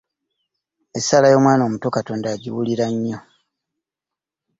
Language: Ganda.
Essaala y'omwana omuto Katonda agiwulira nnyo.